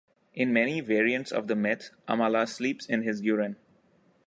In many variants of the myth, Amala sleeps in his urine.